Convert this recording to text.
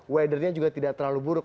weathernya juga tidak terlalu buruk